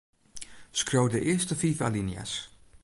Skriuw de earste fiif alinea's.